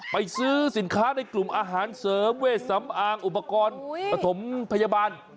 ไปซื้อสินค้าในกลุ่มอาหารเสริมเวทสำอางอุปกรณ์ปฐมพยาบาล